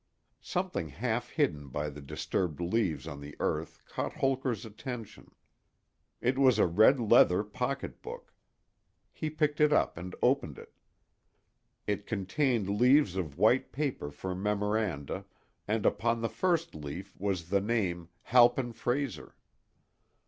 Something half hidden by the disturbed leaves on the earth caught Holker's attention. It was a red leather pocketbook. He picked it up and opened it. It contained leaves of white paper for memoranda, and upon the first leaf was the name "Halpin Frayser."